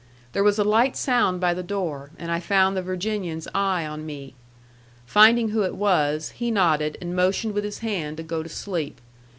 There was a light sound by the door, and I found the Virginian's eye on me. Finding who it was, he nodded and motioned with his hand to go to sleep.